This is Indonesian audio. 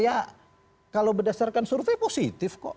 ya kalau berdasarkan survei positif kok